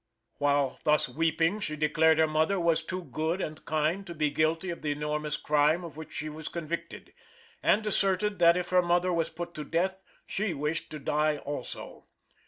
While thus weeping she declared her mother was too good and kind to be guilty of the enormous crime of which she was convicted, and asserted that if her mother was put to death she wished to die also.